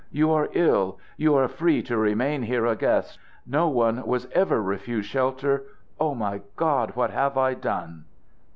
You are ill. You are free to remain here a guest. No one was ever refused shelter. Oh, my God! what have I done?"